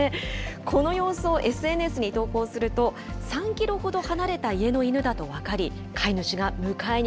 この様子をＳＮＳに投稿すると、３キロほど離れた家の犬だとよかった。